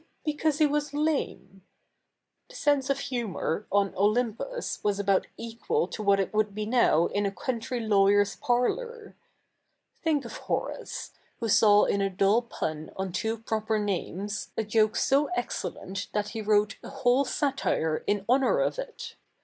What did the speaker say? because he zvas la77ie. The se7ise of humour ofi Oly77ipus was about equal to what it would be now in a country laivyer's parlour. Think of IIo7'ace, who saw in a dull pu7i on two proper 7ia7nes, a joke so excelle7tt that he wrote a whole satire in hojiour of it.